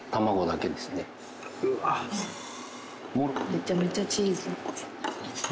めちゃめちゃチーズ。